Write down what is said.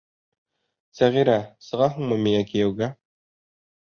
Сәғирә, сығаһыңмы миңә кейәүгә?